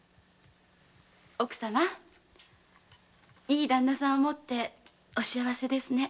奥様いいダンナ様を持ってお幸せですね。